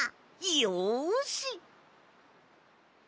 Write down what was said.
よし！